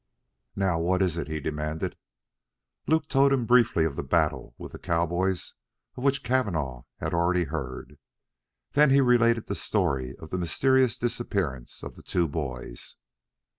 "Now, what is it?" he demanded. Luke told him briefly of the battle with the cowboys, of which Cavanagh had already heard. Then he related the story of the mysterious disappearance of the two boys.